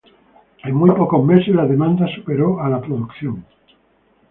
En muy pocos meses la demanda superó a la producción.